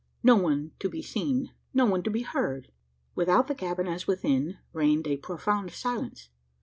No one to be seen no one to be heard! Without the cabin, as within, reigned a profound silence.